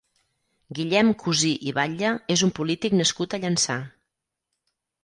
Guillem Cusí i Batlle és un polític nascut a Llançà.